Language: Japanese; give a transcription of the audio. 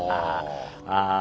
ああ。